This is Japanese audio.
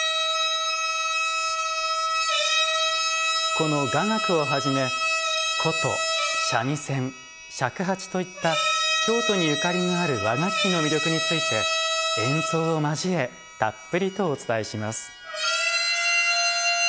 この雅楽をはじめ箏三味線尺八といった京都にゆかりのある和楽器の魅力について演奏を交えたっぷりとお伝えします。